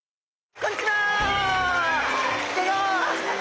こんにちは！